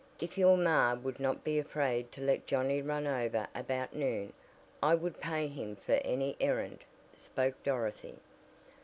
If your ma would not be afraid to let Johnnie run over about noon, I would pay him for any errand," spoke Dorothy.